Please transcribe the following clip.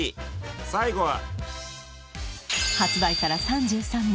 最後は発売から３３年